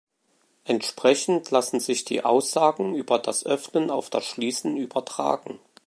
Entsprechend lassen sich die Aussagen über das Öffnen auf das Schließen übertragen.